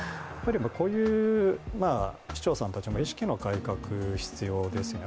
こういう市長さんたちも意識の改革が必要ですよね。